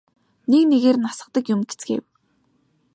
Нэг нэгээр нь асгадаг юм гэцгээв.